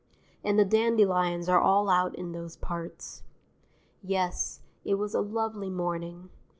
And the dandelions are all out in those parts. Yes, it was a lovely morning.